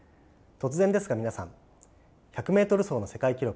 突然ですが皆さん１００ｍ走の世界記録